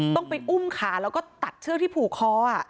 ต้องไปอุ้มขาแล้วก็ตัดเชื่อที่ผูกคอไปแล้วนะคะ